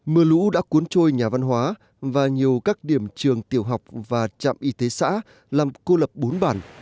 mưa lũ đã cuốn trôi nhà văn hóa và nhiều các điểm trường tiểu học và trạm y tế xã làm cô lập bốn bản